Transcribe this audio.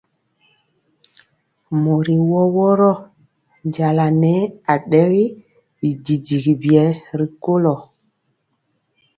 Mori woro woro njala nɛɛ adɛri bidigi biɛ rikolo.